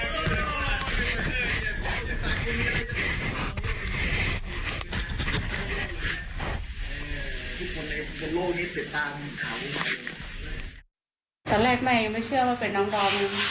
ก็คิดว่ามันคงไม่ไปอยู่พัทยาบีอะไรอย่างนี้